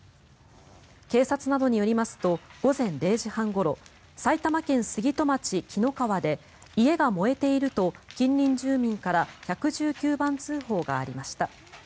警察などによりますと午前０時半ごろ埼玉県杉戸町木野川で家が燃えていると近隣住民から１１９番通報がありました。